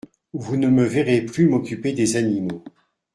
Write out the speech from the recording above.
Vous ne me verrez plus m’occuper des animaux.